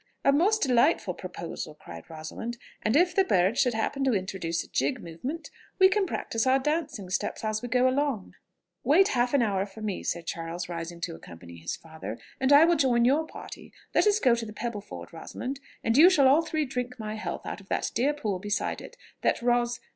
"A most delightful proposal!" cried Rosalind; "and if the birds should happen to introduce a jig movement, we can practise our dancing steps as we go along." "Wait half an hour for me," said Charles, rising to accompany his father, "and I will join your party. Let us go to the Pebble Ford, Rosalind; and you shall all three drink my health out of that dear pool beside it, that Ros....